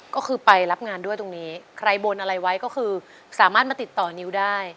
ก็คือไปรับงานด้วยตรงนี้ใครบนอะไรไว้ก็คือสามารถมาติดต่อนิวได้